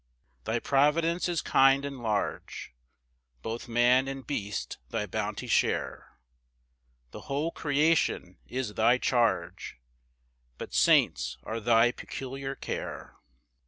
3 Thy providence is kind and large, Both man and beast thy bounty share; The whole creation is thy charge, But saints are thy peculiar care.